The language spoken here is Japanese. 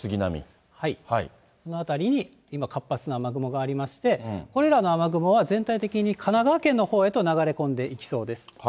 この辺りに、今、活発な雨雲がありまして、これらの雨雲は、全体的に神奈川県のほうへと流れ込んでいきそうです。